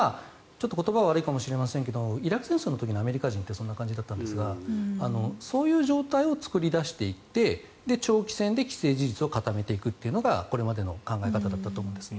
言葉は悪いかもしれませんがイラク戦争の時のアメリカ人ってそんな感じだったんですがそういう状態を作り出していって長期戦で既成事実を固めていくというのがこれまでの考え方だったと思うんです。